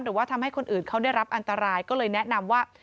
หรือว่าทำให้คนอื่นเขาได้รับอันตรายก็เลยแนะนำว่า